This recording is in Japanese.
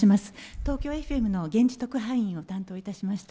東京ＦＭの現地特派員を担当いたしました。